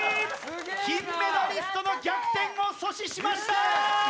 金メダリストの逆転を阻止しました！